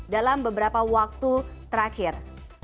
dalam beberapa waktu terakhir